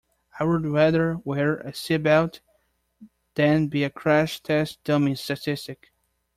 I would rather wear a seatbelt than be a crash test dummy statistic.